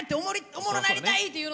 おもろなりたい！っていうので。